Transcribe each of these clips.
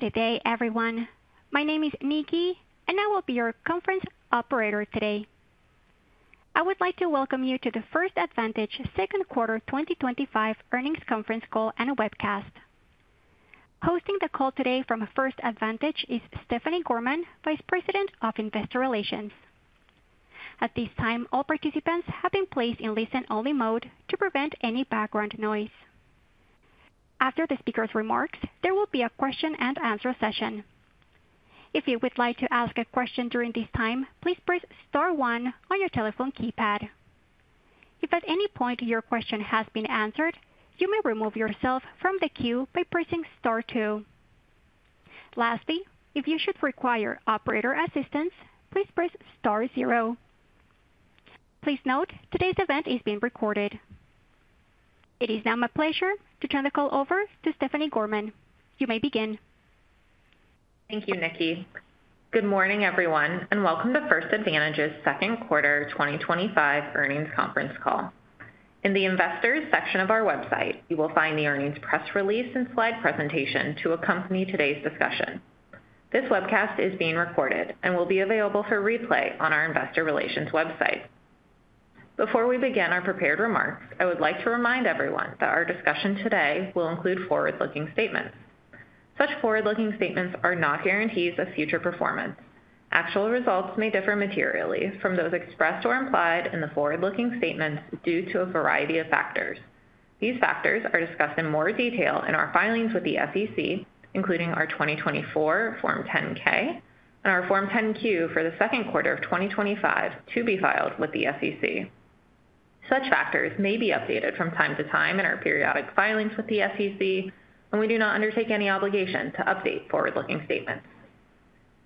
Good day, everyone. My name is Nikki, and I will be your conference operator today. I would like to welcome you to First Advantage's Second Quarter 2025 Earnings Conference Call and Webcast. Hosting the call today from First Advantage is Stephanie Gorman, Vice President of Investor Relations. At this time, all participants have been placed in listen-only mode to prevent any background noise. After the speaker's remarks, there will be a question and answer session. If you would like to ask a question during this time, please star one on your telephone keypad. If at any point your question has been answered, you may remove yourself from the queue by star two. Lastly, if you should require operator assistance, please star zero. Please note, today's event is being recorded. It is now my pleasure to turn the call over to Stephanie Gorman. You may begin. Thank you, Nikki. Good morning, everyone, and welcome to First Advantage's Second Quarter 2025 Earnings Conference Call. In the Investors section of our website, you will find the earnings press release and slide presentation to accompany today's discussion. This webcast is being recorded and will be available for replay on our Investor Relations website. Before we begin our prepared remarks, I would like to remind everyone that our discussion today will include forward-looking statements. Such forward-looking statements are not guarantees of future performance. Actual results may differ materially from those expressed or implied in the forward-looking statements due to a variety of factors. These factors are discussed in more detail in our filings with the SEC, including our 2024 Form 10-K and our Form 10-Q for the second quarter of 2025 to be filed with the SEC. Such factors may be updated from time to time in our periodic filings with the SEC, and we do not undertake any obligation to update forward-looking statements.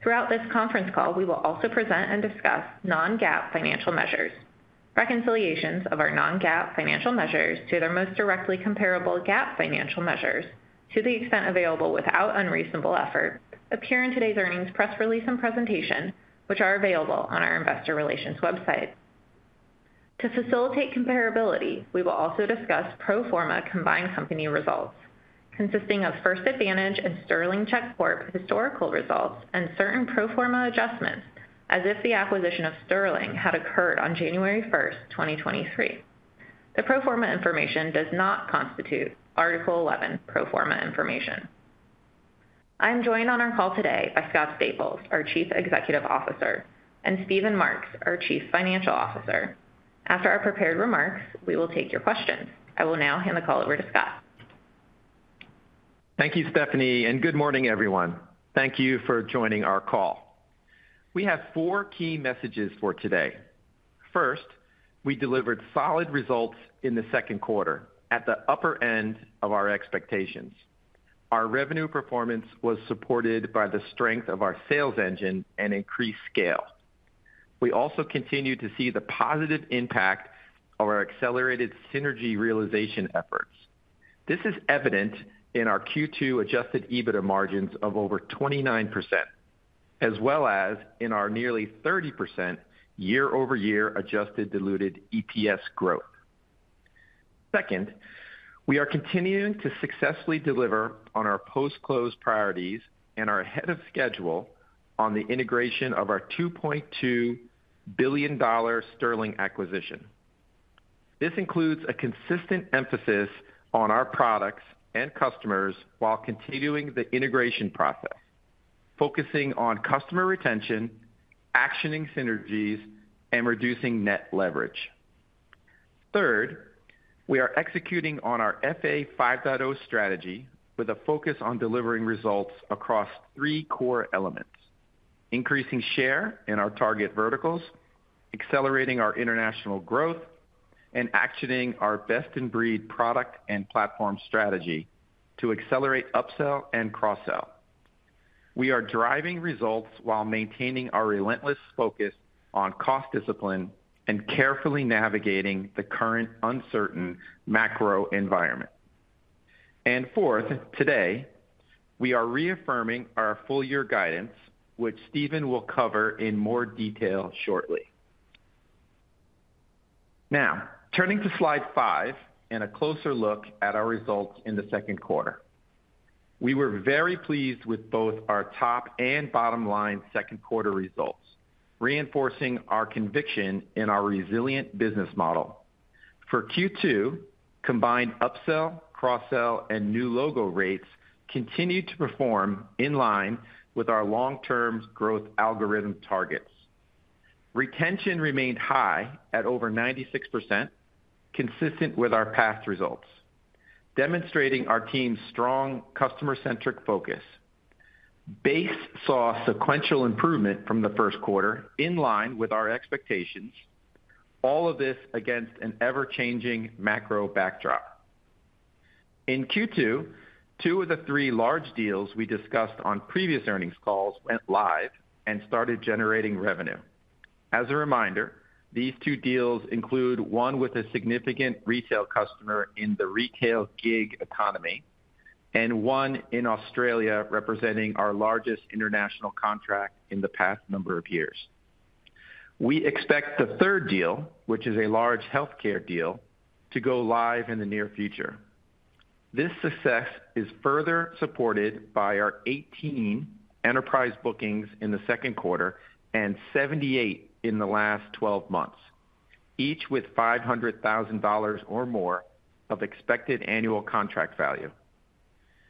Throughout this conference call, we will also present and discuss non-GAAP financial measures. Reconciliations of our non-GAAP financial measures to their most directly comparable GAAP financial measures, to the extent available without unreasonable effort, appear in today's earnings press release and presentation, which are available on our Investor Relations website. To facilitate comparability, we will also discuss pro forma combined company results, consisting of First Advantage and Sterling Check Corp historical results and certain pro forma adjustments as if the acquisition of Sterling had occurred on January 1, 2023. The pro forma information does not constitute Article 11 pro forma information. I am joined on our call today by Scott Staples, our Chief Executive Officer, and Steven Marks, our Chief Financial Officer. After our prepared remarks, we will take your questions. I will now hand the call over to Scott. Thank you, Stephanie, and good morning, everyone. Thank you for joining our call. We have four key messages for today. First, we delivered solid results in the second quarter at the upper end of our expectations. Our revenue performance was supported by the strength of our sales engine and increased scale. We also continue to see the positive impact of our accelerated synergy realization efforts. This is evident in our Q2 adjusted EBITDA margins of over 29%, as well as in our nearly 30% year-over-year adjusted diluted EPS growth. Second, we are continuing to successfully deliver on our post-close priorities and are ahead of schedule on the integration of our $2.2 billion Sterling acquisition. This includes a consistent emphasis on our products and customers while continuing the integration process, focusing on customer retention, actioning synergies, and reducing net leverage. Third, we are executing on our FA 5.0 strategy with a focus on delivering results across three core elements: increasing share in our target verticals, accelerating our international growth, and actioning our best-in-breed product and platform strategy to accelerate upsell and cross-sell. We are driving results while maintaining our relentless focus on cost discipline and carefully navigating the current uncertain macro environment. Fourth, today, we are reaffirming our full-year guidance, which Steven will cover in more detail shortly. Now, turning to slide five and a closer look at our results in the second quarter. We were very pleased with both our top and bottom line second quarter results, reinforcing our conviction in our resilient business model. For Q2, combined upsell, cross-sell, and new logo rates continued to perform in line with our long-term growth algorithm targets. Retention remained high at over 96%, consistent with our past results, demonstrating our team's strong customer-centric focus. Base saw sequential improvement from the first quarter in line with our expectations, all of this against an ever-changing macro backdrop. In Q2, two of the three large deals we discussed on previous earnings calls went live and started generating revenue. As a reminder, these two deals include one with a significant retail customer in the retail gig economy and one in Australia, representing our largest international contract in the past number of years. We expect the third deal, which is a large healthcare deal, to go live in the near future. This success is further supported by our 18 enterprise bookings in the second quarter and 78 in the last 12 months, each with $500,000 or more of expected annual contract value.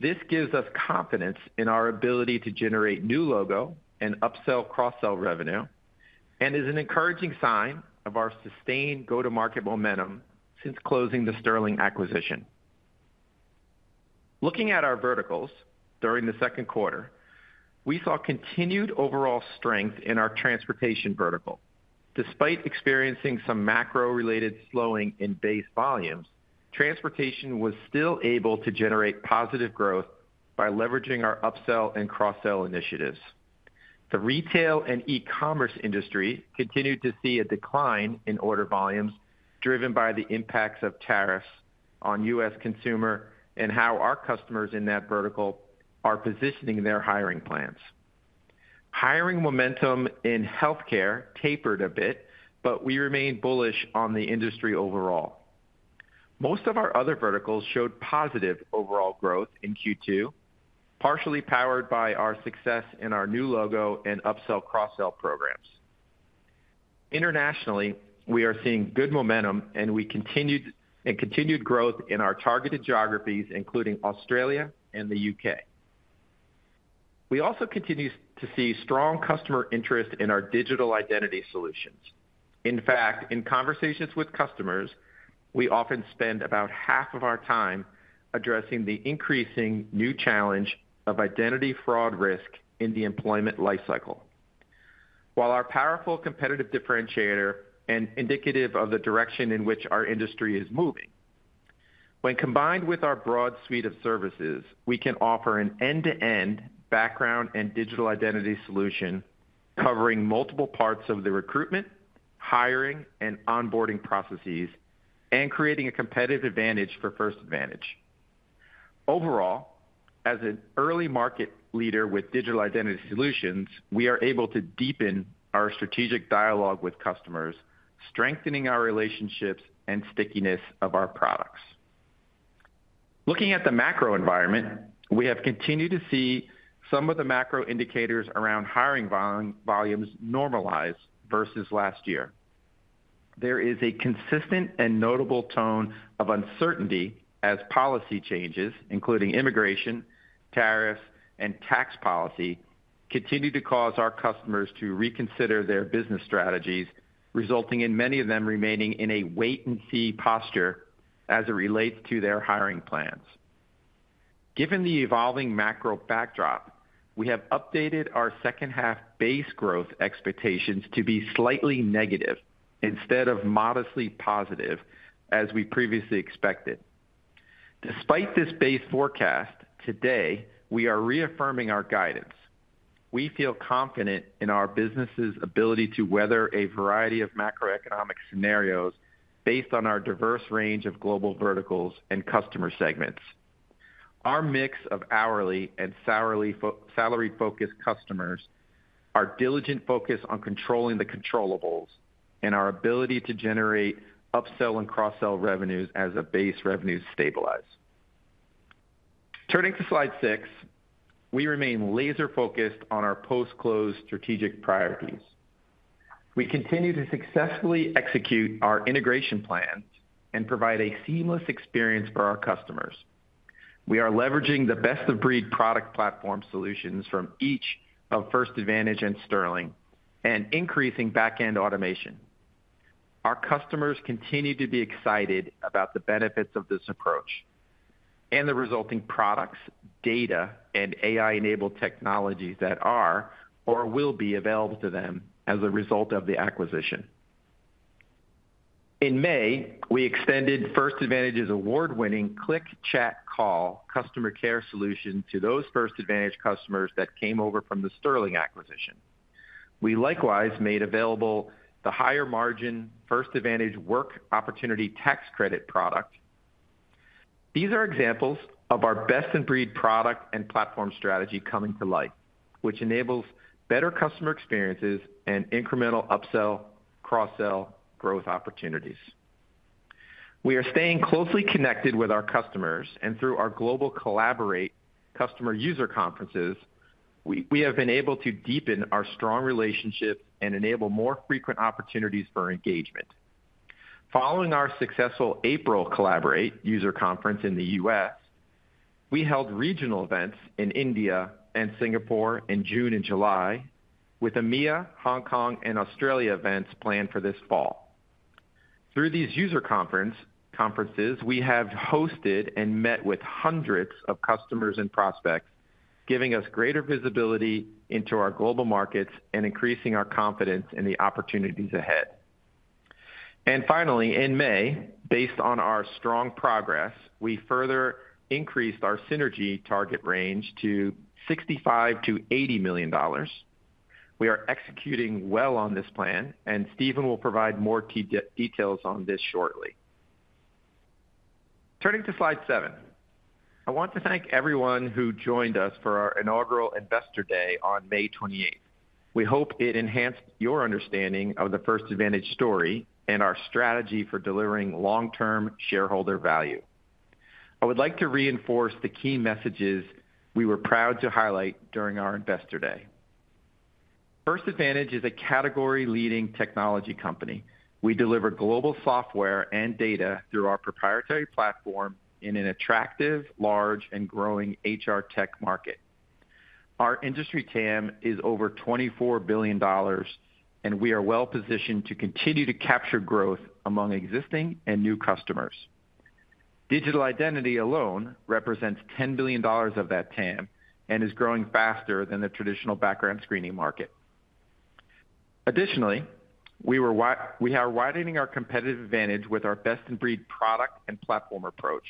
This gives us confidence in our ability to generate new logo and upsell cross-sell revenue and is an encouraging sign of our sustained go-to-market momentum since closing the Sterling acquisition. Looking at our verticals during the second quarter, we saw continued overall strength in our transportation vertical. Despite experiencing some macro-related slowing in base volumes, transportation was still able to generate positive growth by leveraging our upsell and cross-sell initiatives. The retail and e-commerce industry continued to see a decline in order volumes driven by the impacts of tariffs on U.S. consumers and how our customers in that vertical are positioning their hiring plans. Hiring momentum in healthcare tapered a bit, but we remained bullish on the industry overall. Most of our other verticals showed positive overall growth in Q2, partially powered by our success in our new logo and upsell cross-sell programs. Internationally, we are seeing good momentum and continued growth in our targeted geographies, including Australia and the U.K. We also continue to see strong customer interest in our digital identity solutions. In fact, in conversations with customers, we often spend about half of our time addressing the increasing new challenge of identity fraud risk in the employment lifecycle. While our powerful competitive differentiator is indicative of the direction in which our industry is moving, when combined with our broad suite of services, we can offer an end-to-end background and digital identity solution covering multiple parts of the recruitment, hiring, and onboarding processes and creating a competitive advantage for First Advantage. Overall, as an early market leader with digital identity solutions, we are able to deepen our strategic dialogue with customers, strengthening our relationships and stickiness of our products. Looking at the macro environment, we have continued to see some of the macro indicators around hiring volumes normalize versus last year. There is a consistent and notable tone of uncertainty as policy changes, including immigration, tariffs, and tax policy, continue to cause our customers to reconsider their business strategies, resulting in many of them remaining in a wait-and-see posture as it relates to their hiring plans. Given the evolving macro backdrop, we have updated our second-half base growth expectations to be slightly negative instead of modestly positive as we previously expected. Despite this base forecast, today we are reaffirming our guidance. We feel confident in our business's ability to weather a variety of macroeconomic scenarios based on our diverse range of global verticals and customer segments, our mix of hourly and salary-focused customers, our diligent focus on controlling the controllables, and our ability to generate upsell and cross-sell revenues as the base revenues stabilize. Turning to slide six, we remain laser-focused on our post-close strategic priorities. We continue to successfully execute our integration plans and provide a seamless experience for our customers. We are leveraging the best-of-breed product platform solutions from each of First Advantage and Sterling and increasing backend automation. Our customers continue to be excited about the benefits of this approach and the resulting products, data, and AI-enabled technologies that are or will be available to them as a result of the acquisition. In May, we extended First Advantage's award-winning Click Chat Call customer care solution to those First Advantage customers that came over from the Sterling acquisition. We likewise made available the higher margin First Advantage Work Opportunity Tax Credit product. These are examples of our best-in-breed product and platform strategy coming to life, which enables better customer experiences and incremental upsell/cross-sell growth opportunities. We are staying closely connected with our customers, and through our global Collaborate customer user conferences, we have been able to deepen our strong relationship and enable more frequent opportunities for engagement. Following our successful April Collaborate user conference in the U.S., we held regional events in India and Singapore in June and July, with EMEA, Hong Kong, and Australia events planned for this fall. Through these user conferences, we have hosted and met with hundreds of customers and prospects, giving us greater visibility into our global markets and increasing our confidence in the opportunities ahead. Finally, in May, based on our strong progress, we further increased our synergy target range to $65 million-$80 million. We are executing well on this plan, and Steven will provide more details on this shortly. Turning to slide seven, I want to thank everyone who joined us for our inaugural Investor Day on May 28th. We hope it enhanced your understanding of the First Advantage story and our strategy for delivering long-term shareholder value. I would like to reinforce the key messages we were proud to highlight during our Investor Day. First Advantage is a category-leading technology company. We deliver global software and data through our proprietary platform in an attractive, large, and growing HR tech market. Our industry TAM is over $24 billion, and we are well positioned to continue to capture growth among existing and new customers. Digital identity alone represents $10 billion of that TAM and is growing faster than the traditional background screening market. Additionally, we are widening our competitive advantage with our best-in-breed product and platform approach,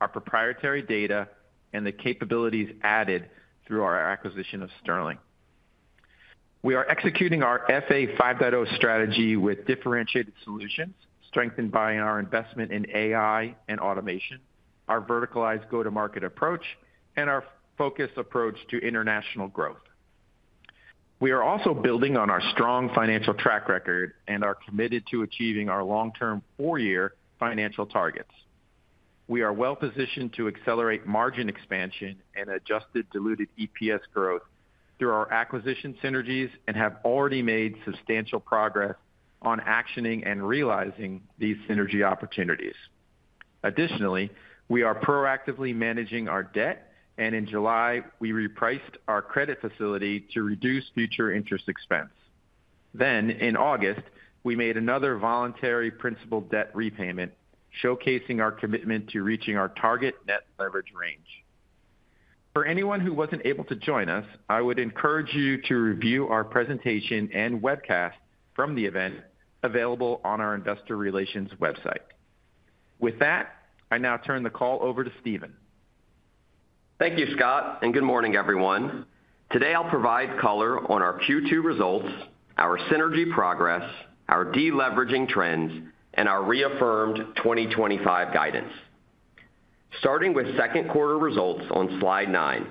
our proprietary data, and the capabilities added through our acquisition of Sterling. We are executing our FA 5.0 strategy with differentiated solutions, strengthened by our investment in AI and automation, our verticalized go-to-market approach, and our focused approach to international growth. We are also building on our strong financial track record and are committed to achieving our long-term four-year financial targets. We are well positioned to accelerate margin expansion and adjusted diluted EPS growth through our acquisition synergies and have already made substantial progress on actioning and realizing these synergy opportunities. Additionally, we are proactively managing our debt, and in July, we repriced our credit facility to reduce future interest expense. In August, we made another voluntary principal debt repayment, showcasing our commitment to reaching our target net leverage range. For anyone who wasn't able to join us, I would encourage you to review our presentation and webcast from the event available on our Investor Relations website. With that, I now turn the call over to Steven. Thank you, Scott, and good morning, everyone. Today, I'll provide color on our Q2 results, our synergy progress, our deleveraging trends, and our reaffirmed 2025 guidance. Starting with second quarter results on slide nine,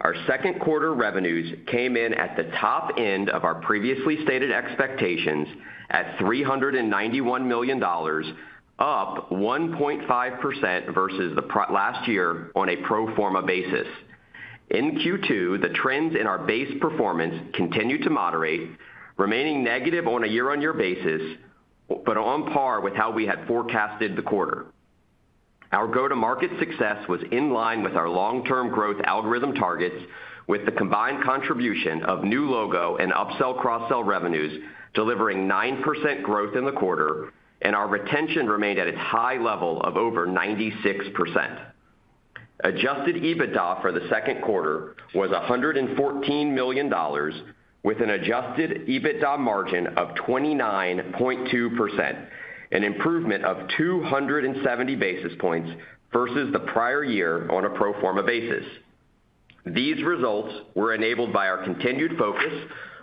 our second quarter revenues came in at the top end of our previously stated expectations at $391 million, up 1.5% versus last year on a pro forma basis. In Q2, the trends in our base performance continued to moderate, remaining negative on a year-on-year basis, but on par with how we had forecasted the quarter. Our go-to-market success was in line with our long-term growth algorithm targets, with the combined contribution of new logo and upsell cross-sell revenues delivering 9% growth in the quarter, and our retention remained at its high level of over 96%. Adjusted EBITDA for the second quarter was $114 million, with an adjusted EBITDA margin of 29.2%, an improvement of 270 basis points versus the prior year on a pro forma basis. These results were enabled by our continued focus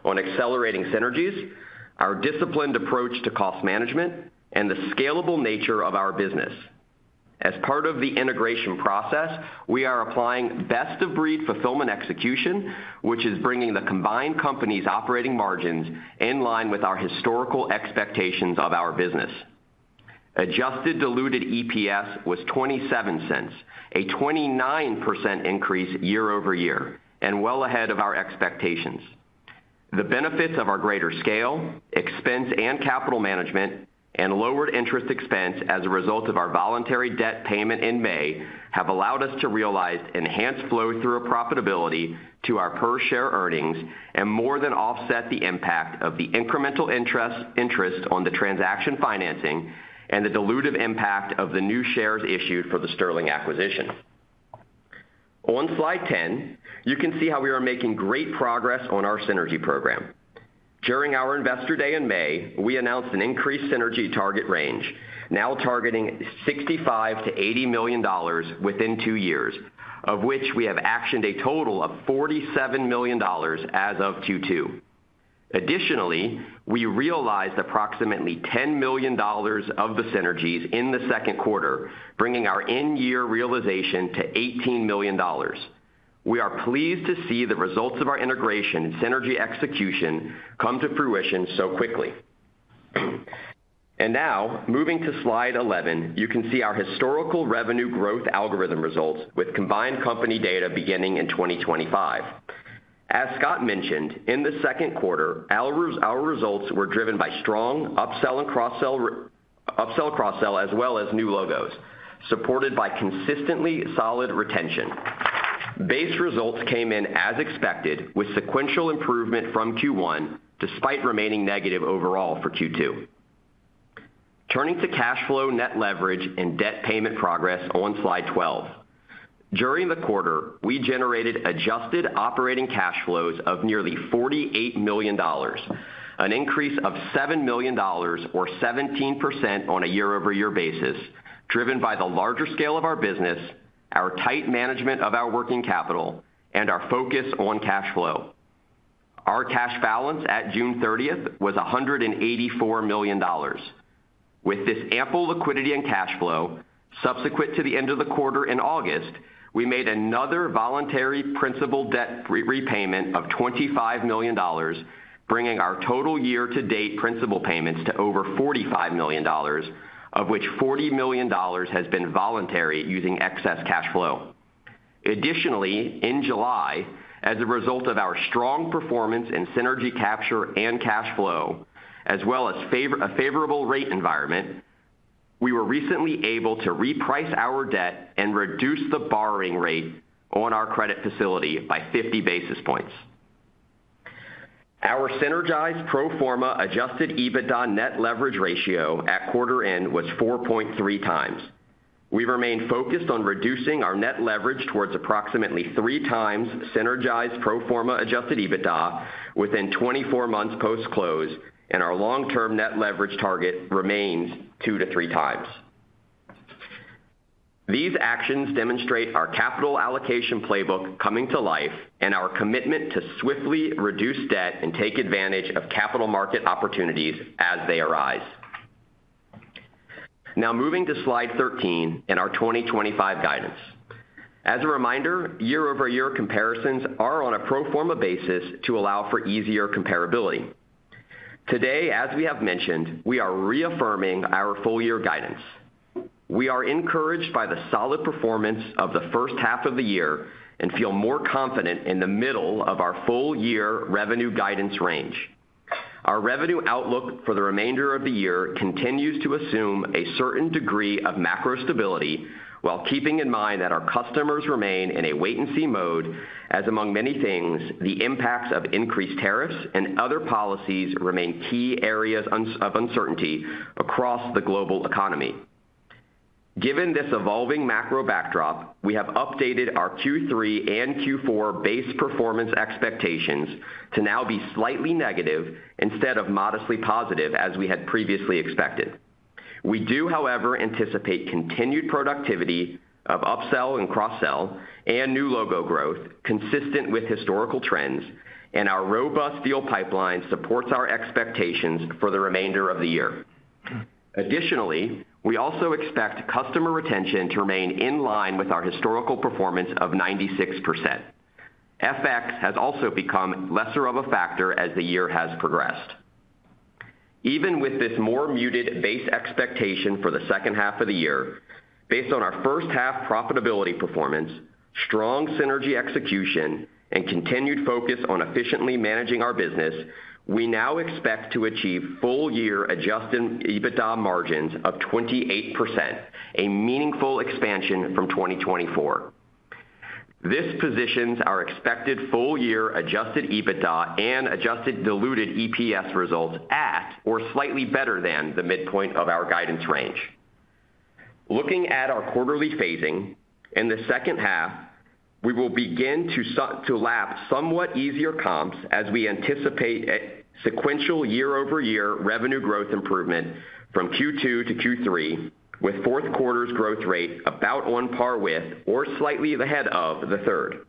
on accelerating synergies, our disciplined approach to cost management, and the scalable nature of our business. As part of the integration process, we are applying best-of-breed fulfillment execution, which is bringing the combined company's operating margins in line with our historical expectations of our business. Adjusted diluted EPS was $0.27, a 29% increase year-over-year and well ahead of our expectations. The benefits of our greater scale, expense, and capital management, and lowered interest expense as a result of our voluntary debt payment in May have allowed us to realize enhanced flow-through profitability to our per-share earnings and more than offset the impact of the incremental interest on the transaction financing and the dilutive impact of the new shares issued for the Sterling acquisition. On slide 10, you can see how we are making great progress on our synergy program. During our Investor Day in May, we announced an increased synergy target range, now targeting $65 million-$80 million within two years, of which we have actioned a total of $47 million as of Q2. Additionally, we realized approximately $10 million of the synergies in the second quarter, bringing our end-year realization to $18 million. We are pleased to see the results of our integration and synergy execution come to fruition so quickly. Now, moving to slide 11, you can see our historical revenue growth algorithm results with combined company data beginning in 2025. As Scott mentioned, in the second quarter, our results were driven by strong upsell and cross-sell, upsell cross-sell, as well as new logos, supported by consistently solid retention. Base results came in as expected, with sequential improvement from Q1, despite remaining negative overall for Q2. Turning to cash flow, net leverage, and debt payment progress on slide 12. During the quarter, we generated adjusted operating cash flows of nearly $48 million, an increase of $7 million, or 17% on a year-over-year basis, driven by the larger scale of our business, our tight management of our working capital, and our focus on cash flow. Our cash balance at June 30th was $184 million. With this ample liquidity and cash flow, subsequent to the end of the quarter in August, we made another voluntary principal debt repayment of $25 million, bringing our total year-to-date principal payments to over $45 million, of which $40 million has been voluntary using excess cash flow. Additionally, in July, as a result of our strong performance in synergy capture and cash flow, as well as a favorable rate environment, we were recently able to reprice our debt and reduce the borrowing rate on our credit facility by 50 basis points. Our synergized pro forma adjusted EBITDA net leverage ratio at quarter end was 4.3x. We've remained focused on reducing our net leverage towards approximately 3x synergized pro forma adjusted EBITDA within 24 months post-close, and our long-term net leverage target remains 2x-3x. These actions demonstrate our capital allocation playbook coming to life and our commitment to swiftly reduce debt and take advantage of capital market opportunities as they arise. Now, moving to slide 13 and our 2025 guidance. As a reminder, year-over-year comparisons are on a pro forma basis to allow for easier comparability. Today, as we have mentioned, we are reaffirming our full-year guidance. We are encouraged by the solid performance of the first half of the year and feel more confident in the middle of our full-year revenue guidance range. Our revenue outlook for the remainder of the year continues to assume a certain degree of macro stability while keeping in mind that our customers remain in a wait-and-see mode, as among many things, the impacts of increased tariffs and other policies remain key areas of uncertainty across the global economy. Given this evolving macro backdrop, we have updated our Q3 and Q4 base performance expectations to now be slightly negative instead of modestly positive as we had previously expected. We do, however, anticipate continued productivity of upsell and cross-sell and new logo growth consistent with historical trends, and our robust deal pipeline supports our expectations for the remainder of the year. Additionally, we also expect customer retention to remain in line with our historical performance of 96%. FX has also become less of a factor as the year has progressed. Even with this more muted base expectation for the second half of the year, based on our first half profitability performance, strong synergy execution, and continued focus on efficiently managing our business, we now expect to achieve full-year adjusted EBITDA margins of 28%, a meaningful expansion from 2024. This positions our expected full-year adjusted EBITDA and adjusted diluted EPS results at or slightly better than the midpoint of our guidance range. Looking at our quarterly phasing in the second half, we will begin to lap somewhat easier comps as we anticipate sequential year-over-year revenue growth improvement from Q2 to Q3, with fourth quarter's growth rate about on par with or slightly ahead of the third.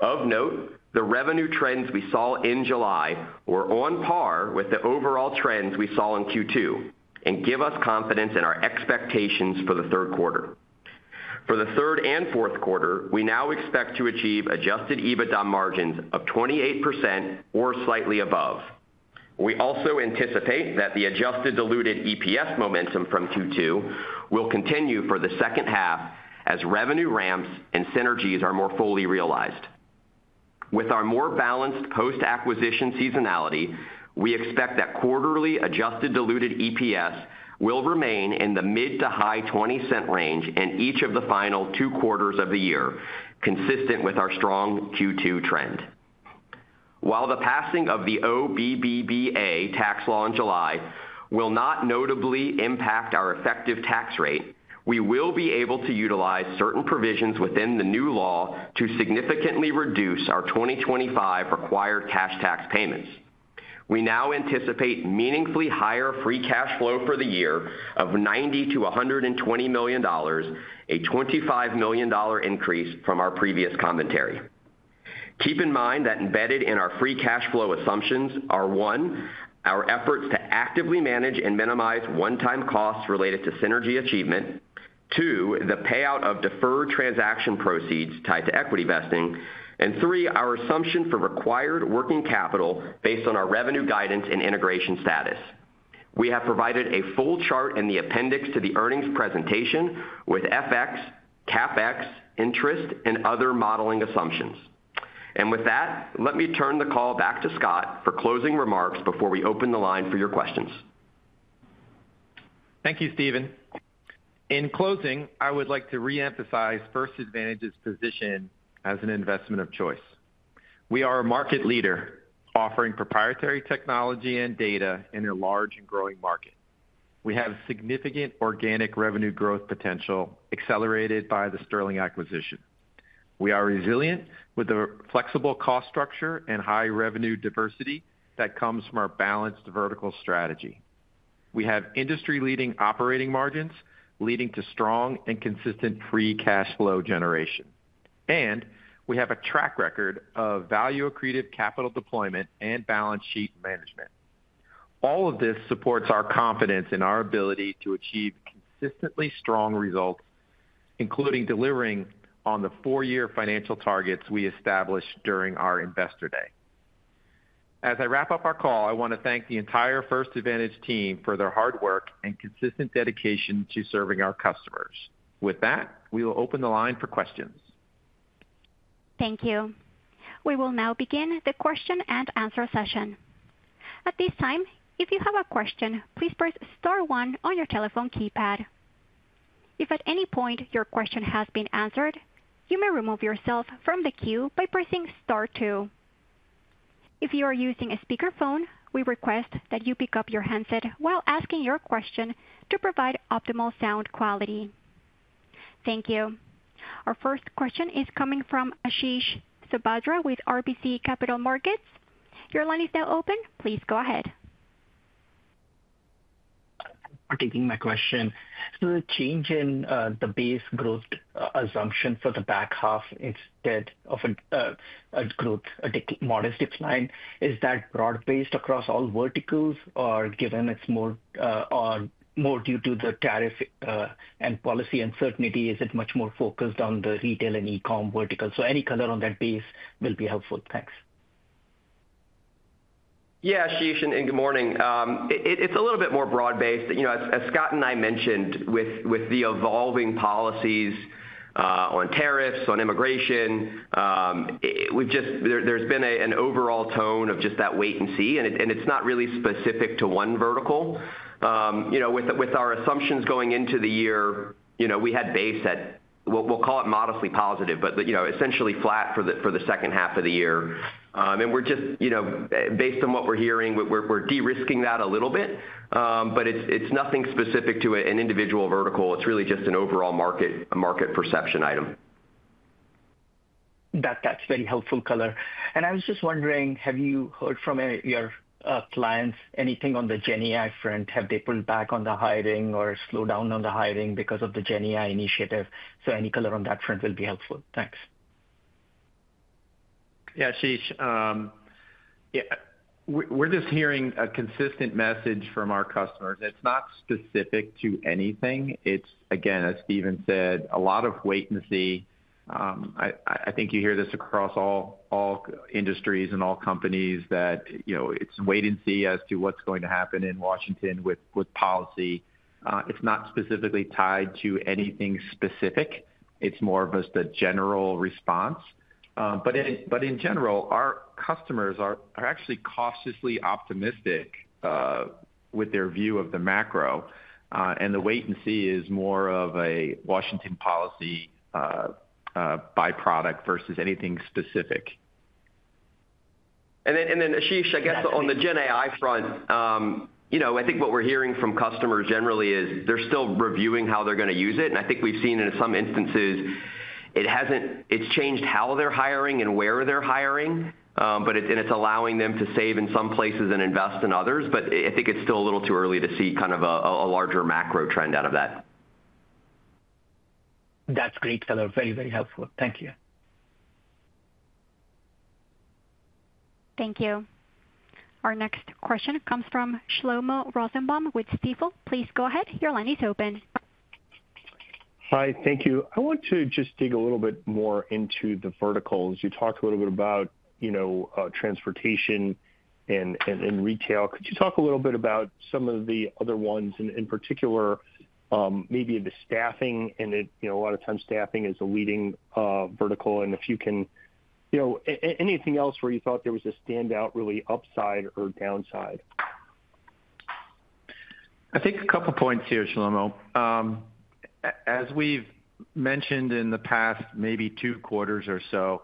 Of note, the revenue trends we saw in July were on par with the overall trends we saw in Q2 and give us confidence in our expectations for the third quarter. For the third and fourth quarter, we now expect to achieve adjusted EBITDA margins of 28% or slightly above. We also anticipate that the adjusted diluted EPS momentum from Q2 will continue for the second half as revenue ramps and synergies are more fully realized. With our more balanced post-acquisition seasonality, we expect that quarterly adjusted diluted EPS will remain in the mid to high $0.20 range in each of the final two quarters of the year, consistent with our strong Q2 trend. While the passing of the OBBBA tax law in July will not notably impact our effective tax rate, we will be able to utilize certain provisions within the new law to significantly reduce our 2025 required cash tax payments. We now anticipate meaningfully higher free cash flow for the year of $90 million-$120 million, a $25 million increase from our previous commentary. Keep in mind that embedded in our free cash flow assumptions are, one, our efforts to actively manage and minimize one-time costs related to synergy achievement, two, the payout of deferred transaction proceeds tied to equity vesting, and three, our assumption for required working capital based on our revenue guidance and integration status. We have provided a full chart in the appendix to the earnings presentation with FX, CapEx, interest, and other modeling assumptions. Let me turn the call back to Scott for closing remarks before we open the line for your questions. Thank you, Steven. In closing, I would like to reemphasize First Advantage's position as an investment of choice. We are a market leader offering proprietary technology and data in a large and growing market. We have significant organic revenue growth potential accelerated by the Sterling acquisition. We are resilient with a flexible cost structure and high revenue diversity that comes from our balanced vertical strategy. We have industry-leading operating margins leading to strong and consistent free cash flow generation, and we have a track record of value-accretive capital deployment and balance sheet management. All of this supports our confidence in our ability to achieve consistently strong results, including delivering on the four-year financial targets we established during our Investor Day. As I wrap up our call, I want to thank the entire First Advantage team for their hard work and consistent dedication to serving our customers. With that, we will open the line for questions. Thank you. We will now begin the question and answer session. At this time, if you have a question, please star one on your telephone keypad. If at any point your question has been answered, you may remove yourself from the queue by star two. if you are using a speakerphone, we request that you pick up your headset while asking your question to provide optimal sound quality. Thank you. Our first question is coming from Ashish Sabadra with RBC Capital Markets. Your line is now open. Please go ahead. Thank you for taking my question. The change in the base growth assumption for the back half, instead of a growth, a modest decline. Is that broad-based across all verticals, or is it more due to the tariff and policy uncertainty? Is it much more focused on the retail and e-com verticals? Any color on that base will be helpful. Thanks. Yeah, Ashish, and good morning. It's a little bit more broad-based. You know, as Scott and I mentioned, with the evolving policies on tariffs, on immigration, there's been an overall tone of just that wait-and-see, and it's not really specific to one vertical. With our assumptions going into the year, we had base at, we'll call it modestly positive, but essentially flat for the second half of the year. We're just, based on what we're hearing, de-risking that a little bit, but it's nothing specific to an individual vertical. It's really just an overall market perception item. That's very helpful color. I was just wondering, have you heard from your clients anything on the GenAI front? Have they pulled back on the hiring or slowed down on the hiring because of the GenAI initiative? Any color on that front will be helpful. Thanks. Yeah, Ashish, we're just hearing a consistent message from our customers. It's not specific to anything. It's, again, as Steven said, a lot of wait-and-see. I think you hear this across all industries and all companies that it's wait-and-see as to what's going to happen in Washington with policy. It's not specifically tied to anything specific. It's more of just a general response. In general, our customers are actually cautiously optimistic with their view of the macro, and the wait-and-see is more of a Washington policy byproduct versus anything specific. Ashish, I guess on the GenAI front, I think what we're hearing from customers generally is they're still reviewing how they're going to use it. I think we've seen in some instances it hasn't, it's changed how they're hiring and where they're hiring, but it's allowing them to save in some places and invest in others. I think it's still a little too early to see kind of a larger macro trend out of that. That's great color. Very, very helpful. Thank you. Thank you. Our next question comes from Shlomo Rosenbaum with Stifel. Please go ahead. Your line is open. Hi, thank you. I want to just dig a little bit more into the verticals. You talked a little bit about, you know, transportation and retail. Could you talk a little bit about some of the other ones, in particular, maybe the staffing? A lot of times staffing is a leading vertical. If you can, anything else where you thought there was a standout really upside or downside? I think a couple of points here, Shlomo. As we've mentioned in the past maybe two quarters or so,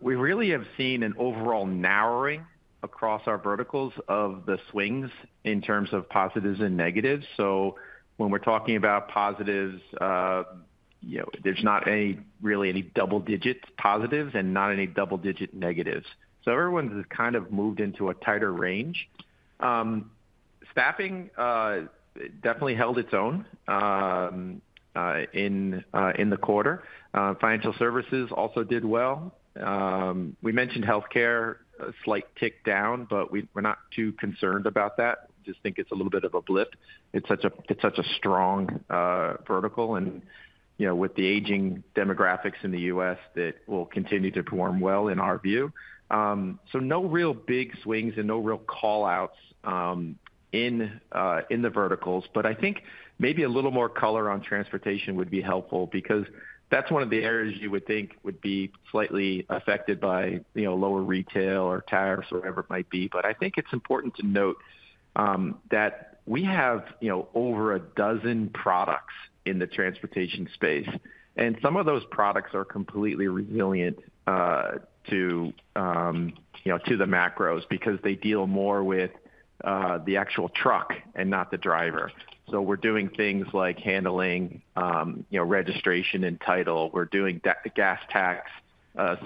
we really have seen an overall narrowing across our verticals of the swings in terms of positives and negatives. When we're talking about positives, there's not really any double-digit positives and not any double-digit negatives. Everyone's kind of moved into a tighter range. Staffing definitely held its own in the quarter. Financial services also did well. We mentioned healthcare, a slight tick down, but we're not too concerned about that. I just think it's a little bit of a blip. It's such a strong vertical and, with the aging demographics in the U.S., it will continue to perform well in our view. No real big swings and no real callouts in the verticals. I think maybe a little more color on transportation would be helpful because that's one of the areas you would think would be slightly affected by lower retail or tariffs or whatever it might be. I think it's important to note that we have over a dozen products in the transportation space, and some of those products are completely resilient to the macros because they deal more with the actual truck and not the driver. We're doing things like handling registration and title. We're doing the gas tax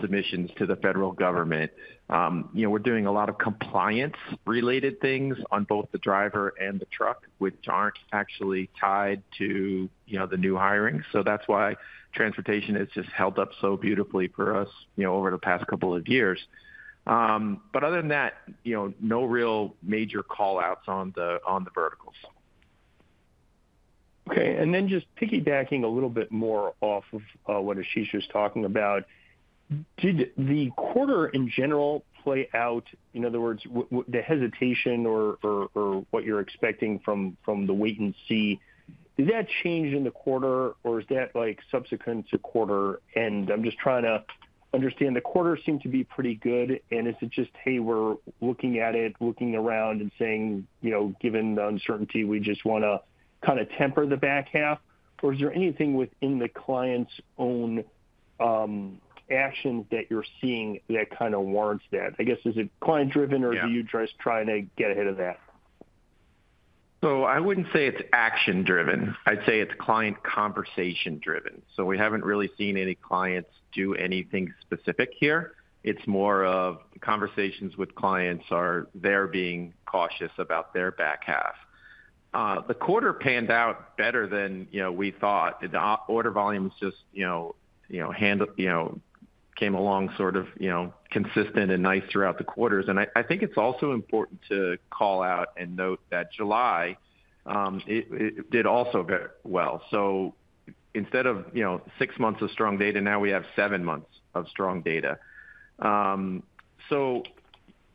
submissions to the federal government. We're doing a lot of compliance-related things on both the driver and the truck, which aren't actually tied to the new hiring. That's why transportation has just held up so beautifully for us over the past couple of years. Other than that, no real major callouts on the verticals. Okay. Just piggybacking a little bit more off of what Ashish was talking about, did the quarter in general play out, in other words, the hesitation or what you're expecting from the wait-and-see, did that change in the quarter or is that subsequent to quarter? I'm just trying to understand, the quarter seemed to be pretty good. Is it just, hey, we're looking at it, looking around and saying, you know, given the uncertainty, we just want to kind of temper the back half? Is there anything within the client's own actions that you're seeing that kind of warrants that? I guess, is it client-driven or do you just try to get ahead of that? I wouldn't say it's action-driven. I'd say it's client conversation-driven. We haven't really seen any clients do anything specific here. It's more conversations with clients or they're being cautious about their back half. The quarter panned out better than we thought. The order volumes just came along sort of consistent and nice throughout the quarters. I think it's also important to call out and note that July did also go well. Instead of six months of strong data, now we have seven months of strong data.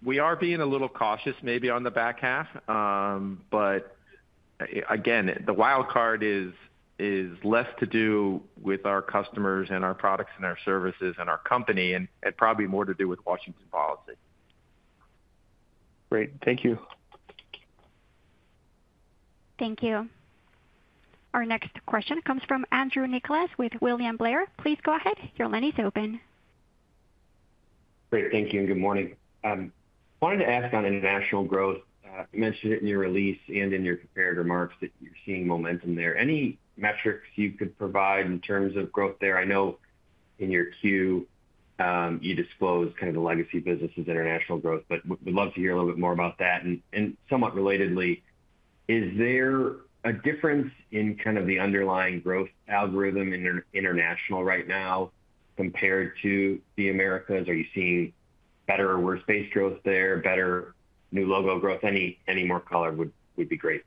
We are being a little cautious maybe on the back half. Again, the wildcard is less to do with our customers and our products and our services and our company and probably more to do with Washington policy. Great. Thank you. Thank you. Our next question comes from Andrew Nicholas with William Blair. Please go ahead. Your line is open. Great. Thank you and good morning. I wanted to ask on international growth. You mentioned it in your release and in your comparative remarks that you're seeing momentum there. Any metrics you could provide in terms of growth there? I know in your queue, you disclosed kind of the legacy businesses' international growth, but we'd love to hear a little bit more about that. Is there a difference in kind of the underlying growth algorithm in international right now compared to the Americas? Are you seeing better or worse-based growth there, better new logo growth? Any more color would be great.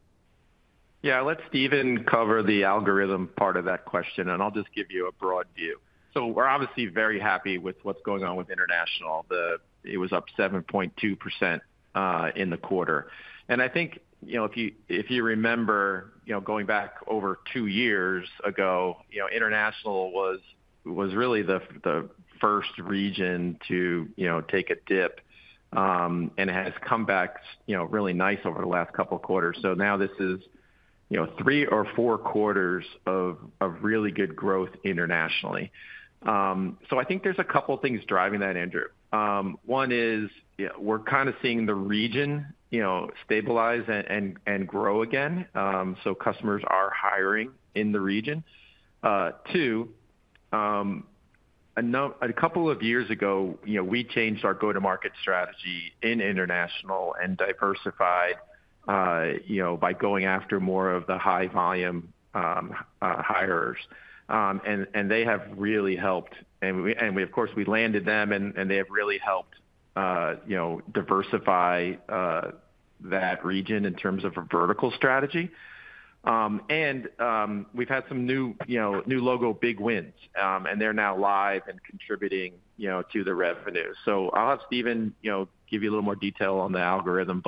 Yeah, I'll let Steven cover the algorithm part of that question, and I'll just give you a broad view. We're obviously very happy with what's going on with international. It was up 7.2% in the quarter. I think, if you remember, going back over two years ago, international was really the first region to take a dip and has come back really nice over the last couple of quarters. This is three or four quarters of really good growth internationally. I think there's a couple of things driving that, Andrew. One is we're kind of seeing the region stabilize and grow again. Customers are hiring in the region. Two, a couple of years ago, we changed our go-to-market strategy in international and diversified by going after more of the high-volume hirers. They have really helped. We landed them and they have really helped diversify that region in terms of a vertical strategy. We've had some new logo big wins, and they're now live and contributing to the revenue. I'll have Steven give you a little more detail on the algorithm.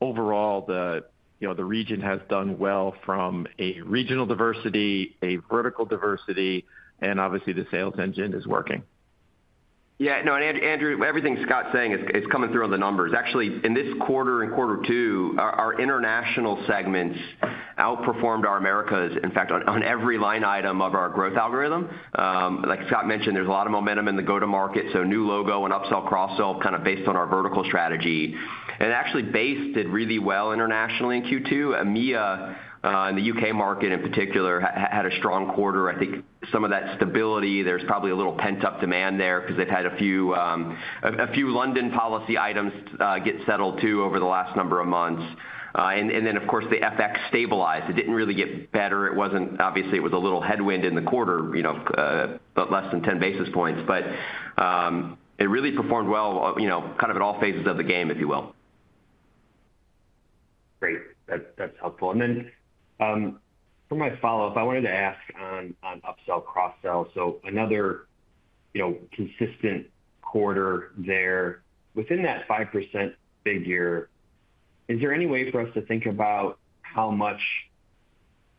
Overall, the region has done well from a regional diversity, a vertical diversity, and obviously the sales engine is working. Yeah, no, and Andrew, everything Scott's saying, it's coming through on the numbers. Actually, in this quarter and quarter two, our international segments outperformed our Americas, in fact, on every line item of our growth algorithm. Like Scott mentioned, there's a lot of momentum in the go-to-market. New logo and upsell, cross-sell, kind of based on our vertical strategy. Actually, Base did really well internationally in Q2. EMEA in the U.K. market in particular had a strong quarter. I think some of that stability, there's probably a little pent-up demand there because they've had a few London policy items get settled too over the last number of months. Of course, the FX stabilized. It didn't really get better. It was a little headwind in the quarter, you know, less than 10 basis points. It really performed well, kind of at all phases of the game, if you will. Great. That's helpful. For my follow-up, I wanted to ask on upsell cross-sell. Another consistent quarter there. Within that 5% figure, is there any way for us to think about how much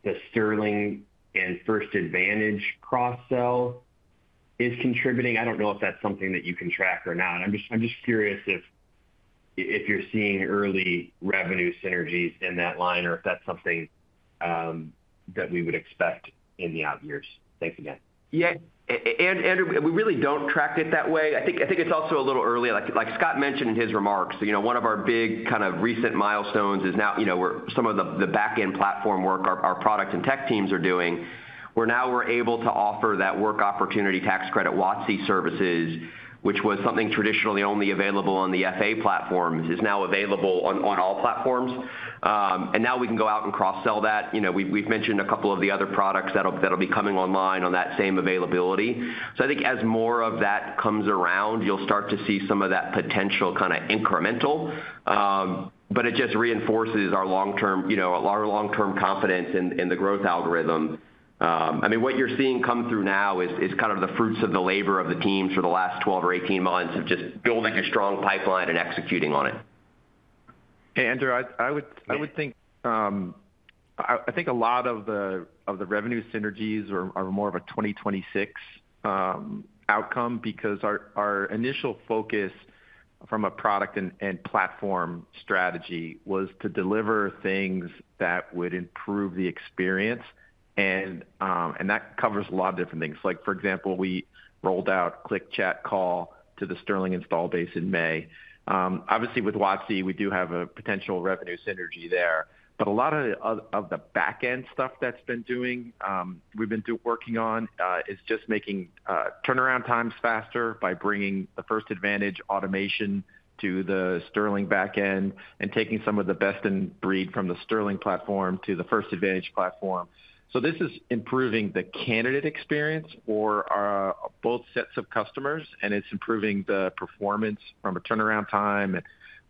the Sterling and First Advantage cross-sell is contributing? I don't know if that's something that you can track or not. I'm just curious if you're seeing early revenue synergies in that line or if that's something that we would expect in the out years. Thanks again. Yeah, Andrew, we really don't track it that way. I think it's also a little early. Like Scott mentioned in his remarks, one of our big kind of recent milestones is now where some of the backend platform work our product and tech teams are doing, where now we're able to offer that work opportunity tax credit WOTC services, which was something traditionally only available on the FA platforms, is now available on all platforms. Now we can go out and cross-sell that. We've mentioned a couple of the other products that'll be coming online on that same availability. I think as more of that comes around, you'll start to see some of that potential kind of incremental. It just reinforces our long-term confidence in the growth algorithm. I mean, what you're seeing come through now is kind of the fruits of the labor of the teams for the last 12 or 18 months of just building a strong pipeline and executing on it. Andrew, I think a lot of the revenue synergies are more of a 2026 outcome because our initial focus from a product and platform strategy was to deliver things that would improve the experience. That covers a lot of different things. For example, we rolled out Click Chat Call to the Sterling install base in May. Obviously, with WOTC, we do have a potential revenue synergy there. A lot of the backend stuff we've been working on is just making turnaround times faster by bringing the First Advantage automation to the Sterling backend and taking some of the best-in-breed from the Sterling platform to the First Advantage platform. This is improving the candidate experience for both sets of customers, and it's improving the performance from a turnaround time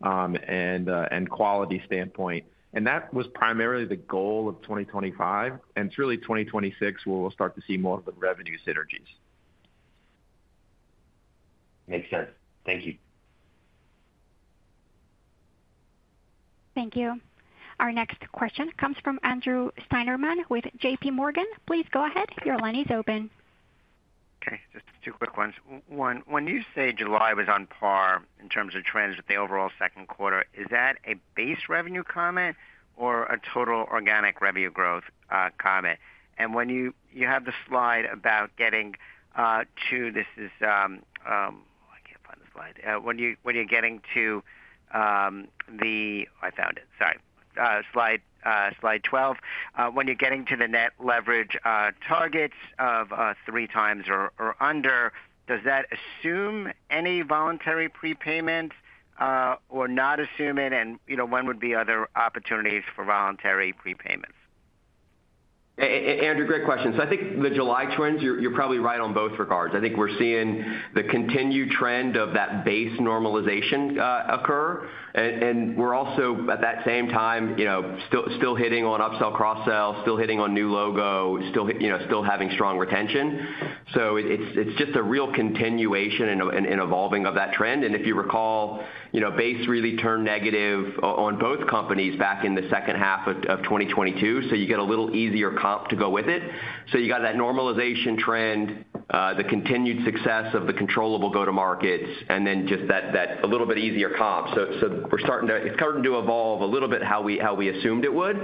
and quality standpoint. That was primarily the goal of 2025. It's really 2026 where we'll start to see more of the revenue synergies. Makes sense. Thank you. Thank you. Our next question comes from Andrew Steinerman with JPMorgan. Please go ahead. Your line is open. Okay, just two quick ones. One, when you say July was on par in terms of trends with the overall second quarter, is that a base revenue comment or a total organic revenue growth comment? When you have the slide about getting to, I can't find the slide. When you're getting to the, I found it, sorry, slide 12. When you're getting to the net leverage targets of three times or under, does that assume any voluntary prepayments or not assume it? You know, when would be other opportunities for voluntary prepayments? Andrew, great question. I think the July trends, you're probably right on both regards. I think we're seeing the continued trend of that base normalization occur. We're also at that same time still hitting on upsell, cross-sell, still hitting on new logo, still having strong retention. It's just a real continuation and evolving of that trend. If you recall, base really turned negative on both companies back in the second half of 2022. You get a little easier comp to go with it. You have that normalization trend, the continued success of the controllable go-to-markets, and then just that a little bit easier comp. We're starting to, it's starting to evolve a little bit how we assumed it would.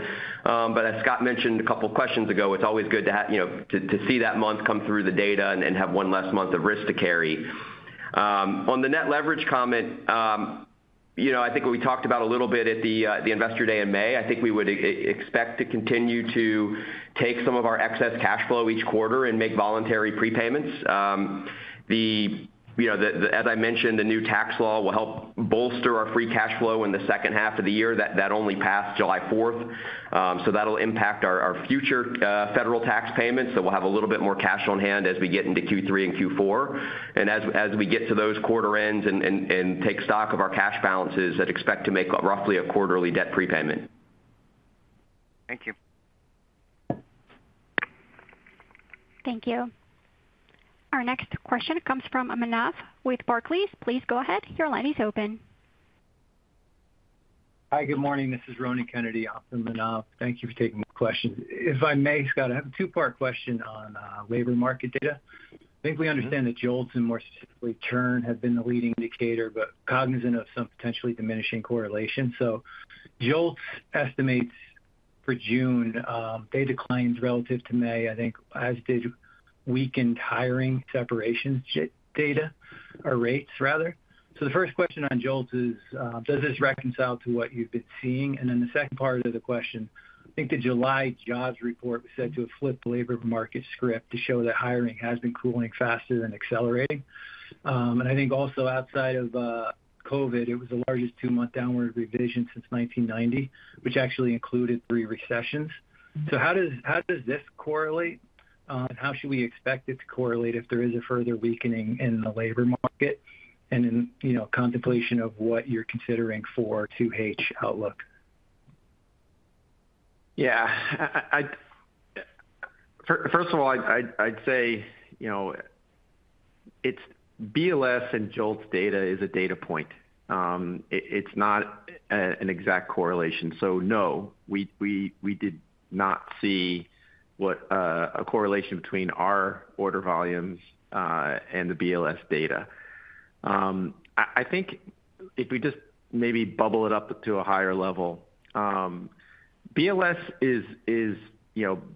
As Scott mentioned a couple of questions ago, it's always good to see that month come through the data and have one less month of risk to carry. On the net leverage comment, I think what we talked about a little bit at the Investor Day in May, I think we would expect to continue to take some of our excess cash flow each quarter and make voluntary prepayments. As I mentioned, the new tax law will help bolster our free cash flow in the second half of the year that only passed July 4th. That'll impact our future federal tax payments. We'll have a little bit more cash on hand as we get into Q3 and Q4. As we get to those quarter ends and take stock of our cash balances, I'd expect to make roughly a quarterly debt prepayment. Thank you. Thank you. Our next question comes from Aminav with Barclays. Please go ahead. Your line is open. Hi, good morning. This is Ronnie Kennedy on for Aminav. Thank you for taking questions. If I may, Scott, I have a two-part question on labor market data. I think we understand that JOLTS and more specifically churn have been the leading indicator, but cognizant of some potentially diminishing correlation. JOLTS estimates for June declined relative to May, I think, as did weakened hiring separation data, or rates rather. The first question on JOLTS is, does this reconcile to what you've been seeing? The second part of the question, I think the July jobs report was said to have flipped the labor market script to show that hiring has been cooling faster than accelerating. I think also outside of COVID, it was the largest two-month downward revision since 1990, which actually included three recessions. How does this correlate? How should we expect it to correlate if there is a further weakening in the labor market, in contemplation of what you're considering for 2H outlook? Yeah. First of all, I'd say it's BLS and JOLTS data is a data point. It's not an exact correlation. No, we did not see a correlation between our order volumes and the BLS data. I think if we just maybe bubble it up to a higher level, BLS is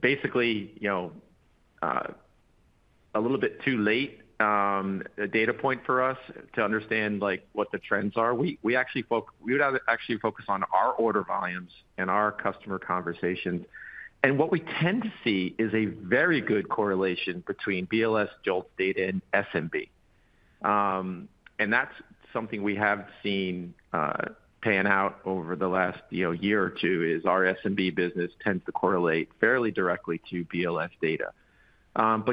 basically a little bit too late a data point for us to understand what the trends are. We actually focus, we would actually focus on our order volumes and our customer conversations. What we tend to see is a very good correlation between BLS, JOLTS data, and SMB. That's something we have seen pan out over the last year or two is our SMB business tends to correlate fairly directly to BLS data.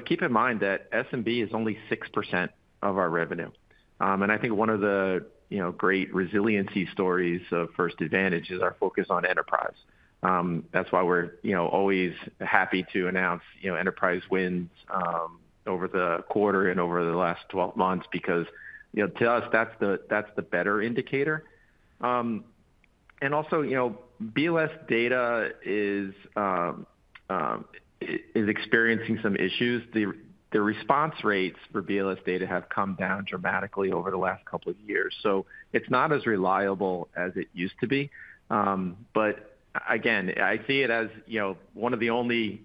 Keep in mind that SMB is only 6% of our revenue. I think one of the great resiliency stories of First Advantage is our focus on enterprise. That's why we're always happy to announce enterprise wins over the quarter and over the last 12 months because to us, that's the better indicator. Also, BLS data is experiencing some issues. The response rates for BLS data have come down dramatically over the last couple of years. It's not as reliable as it used to be. Again, I see it as one of the only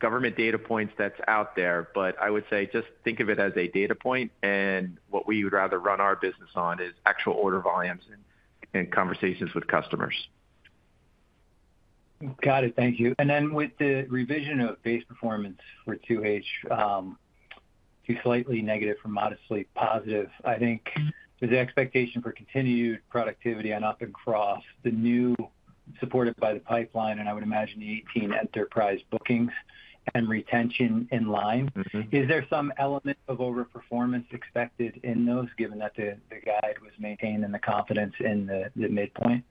government data points that's out there. I would say just think of it as a data point. What we would rather run our business on is actual order volumes and conversations with customers. Got it. Thank you. With the revision of base performance for 2H to slightly negative for modestly positive, I think there's an expectation for continued productivity on up and cross, the new supported by the pipeline, and I would imagine the 18 enterprise bookings and retention in line. Is there some element of overperformance expected in those, given that the guide was maintained in the confidence in the midpoint?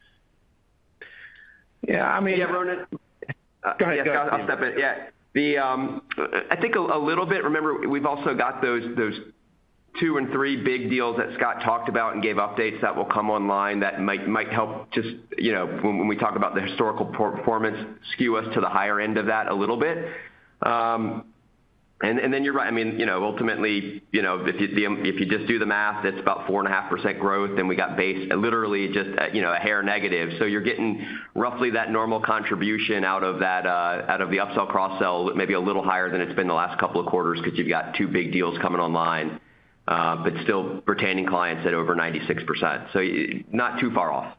Yeah, go ahead. I'll step in. I think a little bit, remember, we've also got those two and three big deals that Scott talked about and gave updates that will come online that might help just, you know, when we talk about the historical performance, skew us to the higher end of that a little bit. You're right. I mean, you know, ultimately, you know, if you just do the math, that's about 4.5% growth. We got base literally just, you know, a hair negative. So you're getting roughly that normal contribution out of the upsell, cross-sell, maybe a little higher than it's been the last couple of quarters because you've got two big deals coming online, but still retaining clients at over 96%. Not too far off.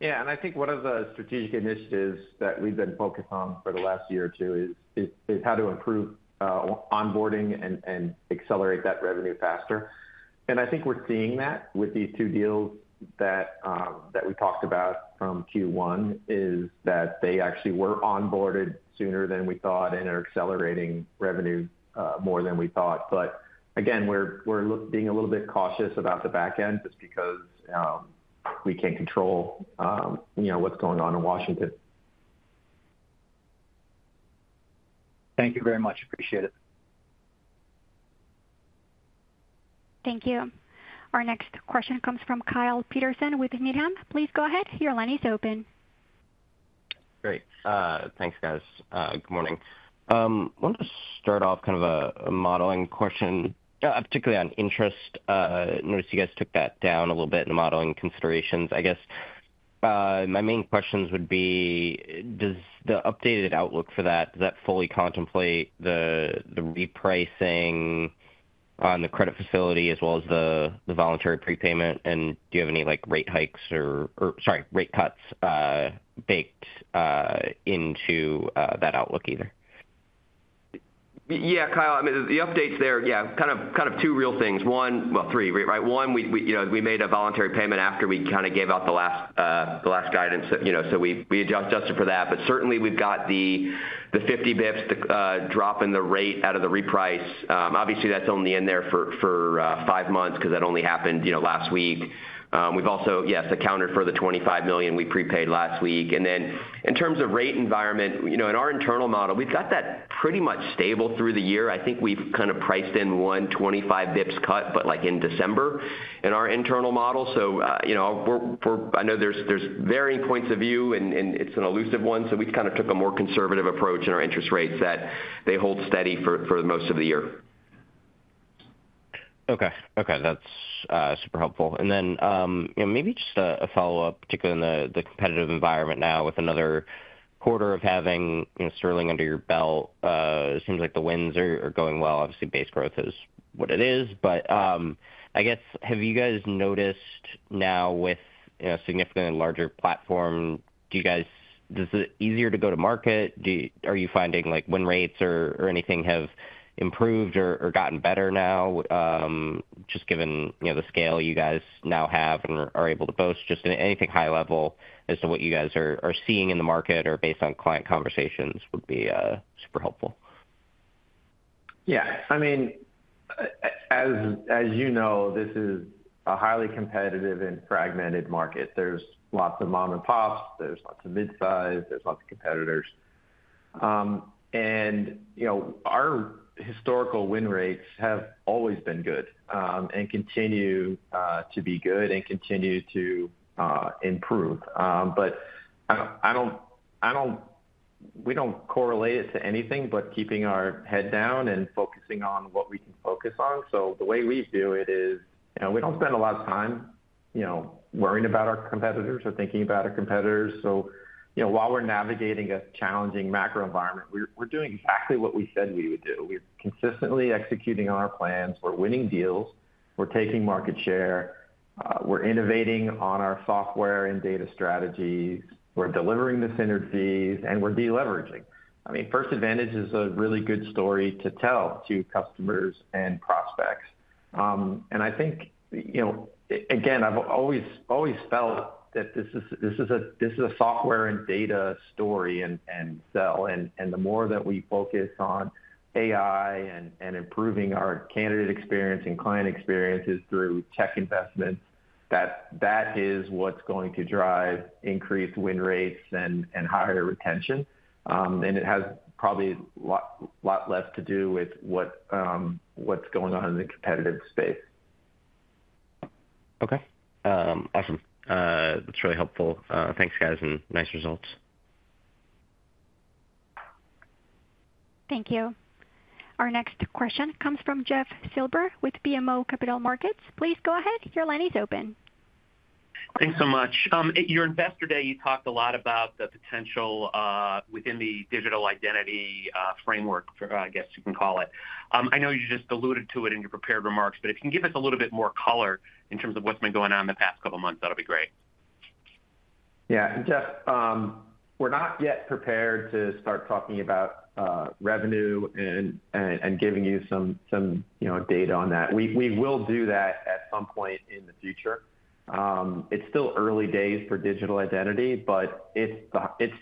Yeah, I think one of the strategic initiatives that we've been focused on for the last year or two is how to improve onboarding and accelerate that revenue faster. I think we're seeing that with these two deals that we talked about from Q1, as they actually were onboarded sooner than we thought and are accelerating revenue more than we thought. Again, we're being a little bit cautious about the backend just because we can't control, you know, what's going on in Washington. Thank you very much. Appreciate it. Thank you. Our next question comes from Kyle Peterson with Needham. Please go ahead. Your line is open. Great. Thanks, guys. Good morning. I want to start off kind of a modeling question, particularly on interest. I noticed you guys took that down a little bit in the modeling considerations. My main questions would be, does the updated outlook for that fully contemplate the repricing on the credit facility as well as the voluntary prepayment? Do you have any rate hikes or, sorry, rate cuts baked into that outlook either? Yeah, Kyle, I mean, the updates there, kind of two real things. One, well, three, right? One, we made a voluntary payment after we kind of gave out the last guidance, so we adjusted for that. Certainly, we've got the 50 bps drop in the rate out of the reprice. Obviously, that's only in there for five months because that only happened last week. We've also, yes, accounted for the $25 million we prepaid last week. In terms of rate environment, in our internal model, we've got that pretty much stable through the year. I think we've kind of priced in one 25 bps cut, like in December in our internal model. I know there's varying points of view and it's an elusive one. We've kind of took a more conservative approach in our interest rates that they hold steady for most of the year. Okay. That's super helpful. Maybe just a follow-up, particularly in the competitive environment now with another quarter of having Sterling under your belt. It seems like the wins are going well. Obviously, base growth is what it is. I guess, have you guys noticed now with a significantly larger platform, is it easier to go to market? Are you finding like win rates or anything have improved or gotten better now? Just given the scale you guys now have and are able to boast, just in anything high level as to what you guys are seeing in the market or based on client conversations would be super helpful. Yeah. I mean, as you know, this is a highly competitive and fragmented market. There's lots of mom-and-pops, there's lots of midsize, there's lots of competitors. Our historical win rates have always been good and continue to be good and continue to improve. I don't, we don't correlate it to anything but keeping our head down and focusing on what we can focus on. The way we do it is, we don't spend a lot of time worrying about our competitors or thinking about our competitors. While we're navigating a challenging macro environment, we're doing exactly what we said we would do. We're consistently executing on our plans. We're winning deals. We're taking market share. We're innovating on our software and data strategies. We're delivering the synergies and we're deleveraging. I mean, First Advantage is a really good story to tell to customers and prospects. I think, again, I've always, always felt that this is a software and data story and sell. The more that we focus on AI and improving our candidate experience and client experiences through tech investments, that is what's going to drive increased win rates and higher retention. It has probably a lot less to do with what's going on in the competitive space. Okay. Awesome. That's really helpful. Thanks, guys, and nice results. Thank you. Our next question comes from Jeff Silber with BMO Capital Markets. Please go ahead, your line is open. Thanks so much. At your Investor Day, you talked a lot about the potential within the digital identity framework, I guess you can call it. I know you just alluded to it in your prepared remarks, but if you can give us a little bit more color in terms of what's been going on in the past couple of months, that'll be great. Yeah, Jeff, we're not yet prepared to start talking about revenue and giving you some data on that. We will do that at some point in the future. It's still early days for digital identity, but it's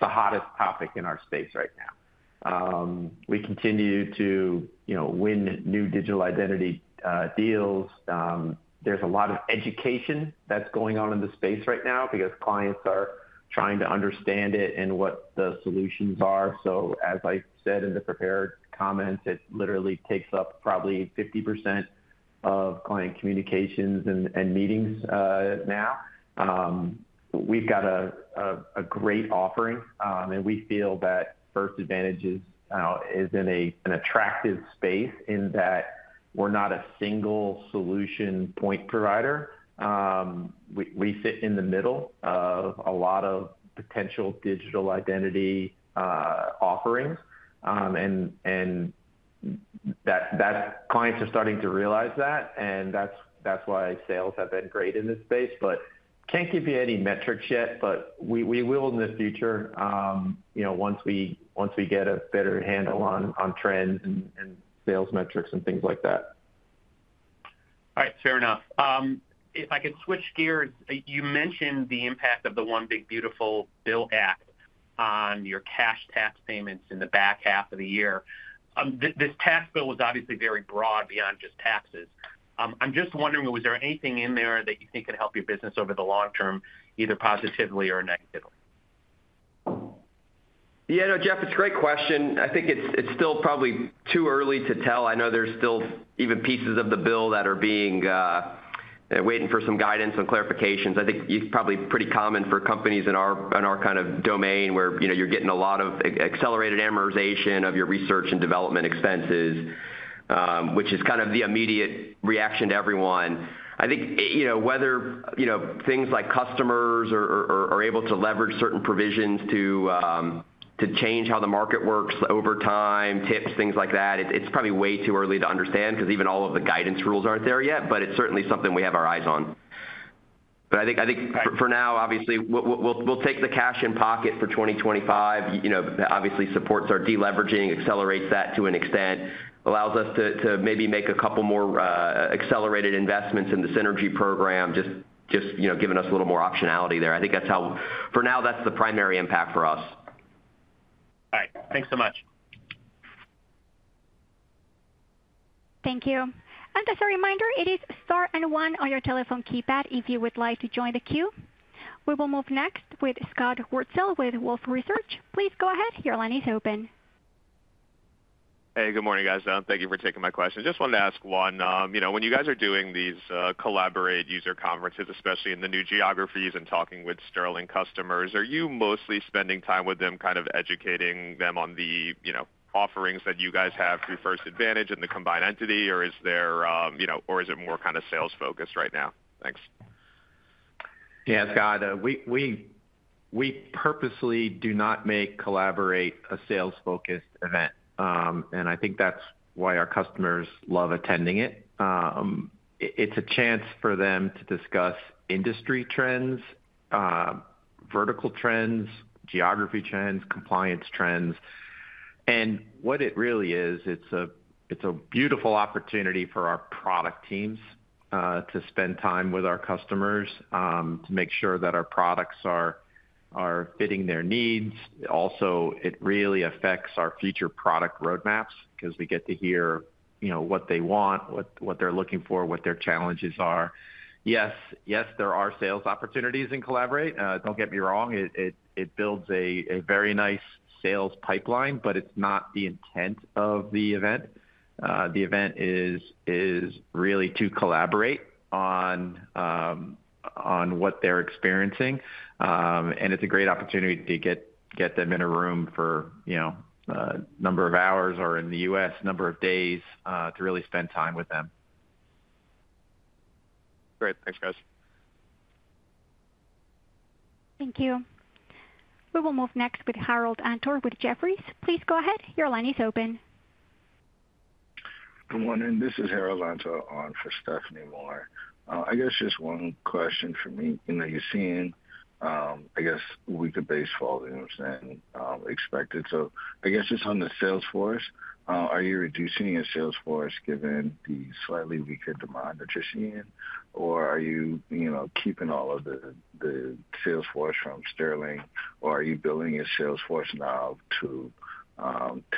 the hottest topic in our space right now. We continue to win new digital identity deals. There's a lot of education that's going on in the space right now because clients are trying to understand it and what the solutions are. As I said in the prepared comments, it literally takes up probably 50% of client communications and meetings now. We've got a great offering, and we feel that First Advantage is in an attractive space in that we're not a single solution point provider. We sit in the middle of a lot of potential digital identity offerings, and clients are starting to realize that. That's why sales have been great in this space. I can't give you any metrics yet, but we will in the future, once we get a better handle on trends and sales metrics and things like that. All right, fair enough. If I could switch gears, you mentioned the impact of the One Big Beautiful Bill Act on your cash tax payments in the back half of the year. This tax bill was obviously very broad beyond just taxes. I'm just wondering, was there anything in there that you think could help your business over the long term, either positively or negatively? Yeah. Jeff, it's a great question. I think it's still probably too early to tell. I know there's still even pieces of the bill that are waiting for some guidance on clarifications. I think it's probably pretty common for companies in our kind of domain where you're getting a lot of accelerated amortization of your research and development expenses, which is kind of the immediate reaction to everyone. I think whether things like customers are able to leverage certain provisions to change how the market works over time, tips, things like that, it's probably way too early to understand because even all of the guidance rules aren't there yet. It's certainly something we have our eyes on. I think for now, obviously, we'll take the cash in pocket for 2025. Obviously, supports our deleveraging, accelerates that to an extent, allows us to maybe make a couple more accelerated investments in the synergy program, just giving us a little more optionality there. I think that's how, for now, that's the primary impact for us. All right, thanks so much. Thank you. As a reminder, it star one on your telephone keypad if you would like to join the queue. We will move next with Scott Wurtzel with Wolfe Research. Please go ahead. Your line is open. Hey, good morning, guys. Thank you for taking my question. Just wanted to ask one, when you guys are doing these collaborate user conferences, especially in the new geographies and talking with Sterling customers, are you mostly spending time with them kind of educating them on the offerings that you guys have through First Advantage and the combined entity, or is it more kind of sales-focused right now? Thanks. Yeah, it's Scott. We purposely do not make Collaborate a sales-focused event, and I think that's why our customers love attending it. It's a chance for them to discuss industry trends, vertical trends, geography trends, compliance trends. What it really is, it's a beautiful opportunity for our product teams to spend time with our customers to make sure that our products are fitting their needs. Also, it really affects our future product roadmaps because we get to hear what they want, what they're looking for, what their challenges are. Yes, there are sales opportunities in Collaborate. Don't get me wrong. It builds a very nice sales pipeline, but it's not the intent of the event. The event is really to collaborate on what they're experiencing. It's a great opportunity to get them in a room for a number of hours or in the U.S., a number of days to really spend time with them. Great. Thanks, guys. Thank you. We will move next with Harold Antor with Jefferies. Please go ahead. Your line is open. Good morning. This is Harold Antor on for Stephanie Moore. I guess just one question for me. You're seeing, I guess, weaker base volumes than expected. Just on the sales force, are you reducing your sales force given the slightly weaker demand that you're seeing? Are you keeping all of the sales force from Sterling? Are you building your sales force now to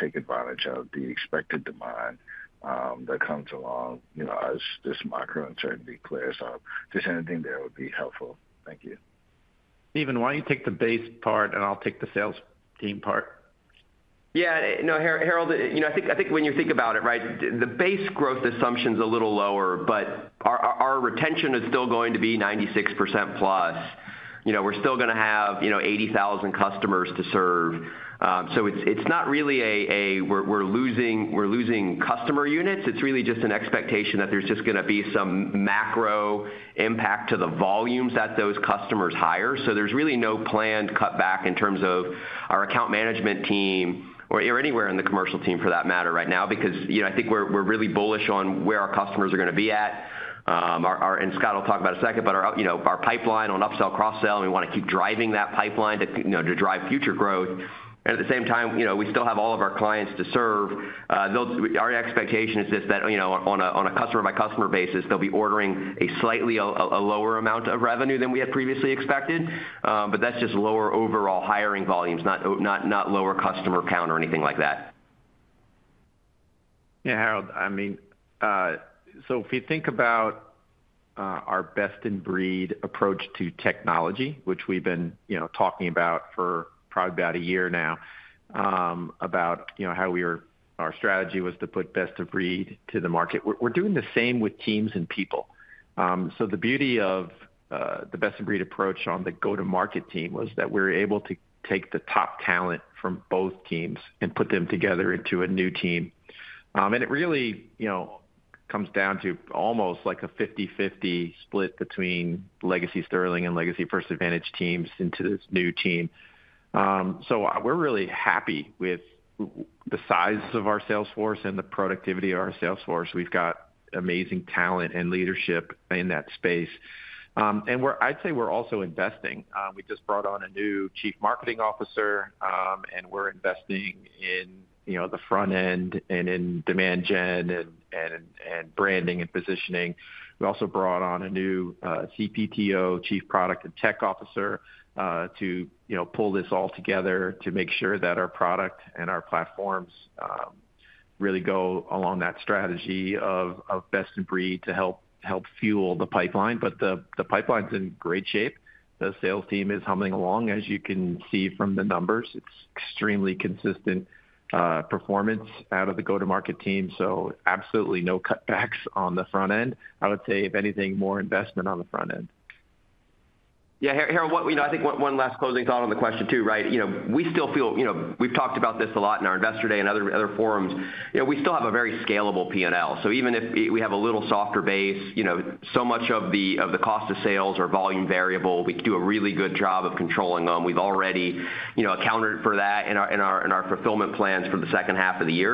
take advantage of the expected demand that comes along as this macroeconomic uncertainty clears up? Anything there would be helpful. Thank you. Steven, why don't you take the base part and I'll take the sales team part? Yeah, no, Harold, you know, I think when you think about it, right, the base growth assumption is a little lower, but our retention is still going to be 96%+. We're still going to have 80,000 customers to serve. It's not really a, we're losing customer units. It's really just an expectation that there's just going to be some macro impact to the volumes that those customers hire. There's really no planned cutback in terms of our account management team or anywhere in the commercial team for that matter right now because I think we're really bullish on where our customers are going to be at. Scott will talk about a second, but our pipeline on upsell, cross-sell, we want to keep driving that pipeline to drive future growth. At the same time, we still have all of our clients to serve. Our expectation is just that on a customer-by-customer basis, they'll be ordering a slightly lower amount of revenue than we had previously expected. That's just lower overall hiring volumes, not lower customer count or anything like that. Yeah, Harold, if you think about our best-in-breed approach to technology, which we've been talking about for probably about a year now, about how we were, our strategy was to put best-in-breed to the market. We're doing the same with teams and people. The beauty of the best-in-breed approach on the go-to-market team was that we were able to take the top talent from both teams and put them together into a new team. It really comes down to almost like a 50-50 split between legacy Sterling and legacy First Advantage teams into this new team. We're really happy with the size of our sales force and the productivity of our sales force. We've got amazing talent and leadership in that space. I'd say we're also investing. We just brought on a new Chief Marketing Officer, and we're investing in the front end and in demand gen and branding and positioning. We also brought on a new CPTO, Chief Product and Tech Officer, to pull this all together to make sure that our product and our platforms really go along that strategy of best-in-breed to help fuel the pipeline. The pipeline's in great shape. The sales team is humming along, as you can see from the numbers. It's extremely consistent performance out of the go-to-market team. Absolutely no cutbacks on the front end. If anything, more investment on the front end. Harold, I think one last closing thought on the question too, right? We still feel, we've talked about this a lot in our Investor Day and other forums. We still have a very scalable P&L. Even if we have a little softer base, so much of the cost of sales or volume variable, we do a really good job of controlling them. We've already accounted for that in our fulfillment plans for the second half of the year.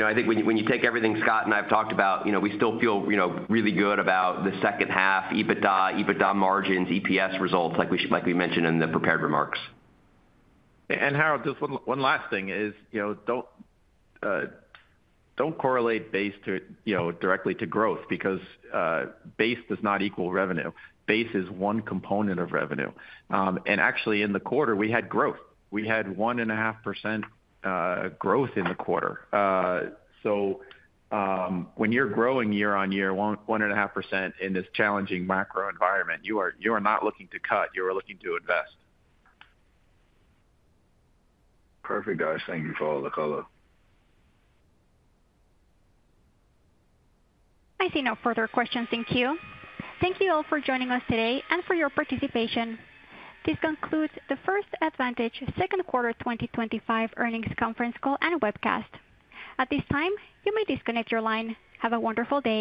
I think when you take everything Scott and I've talked about, we still feel really good about the second half, EBITDA, EBITDA margins, EPS results, like we mentioned in the prepared remarks. Harold, just one last thing is, you know, don't correlate base directly to growth because base does not equal revenue. Base is one component of revenue. Actually, in the quarter, we had growth. We had 1.5% growth in the quarter. When you're growing year on year, 1.5% in this challenging macro environment, you are not looking to cut. You are looking to invest. Perfect, guys. Thank you for all the color. I see no further questions. Thank you. Thank you all for joining us today and for your participation. This concludes the First Advantage Second Quarter 2025 Earnings Conference Call and Webcast. At this time, you may disconnect your line. Have a wonderful day.